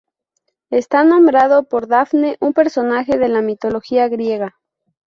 Está nombrado por Dafne, un personaje de la mitología griega.